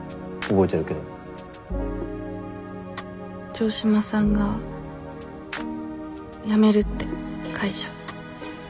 城島さんが辞めるって会社。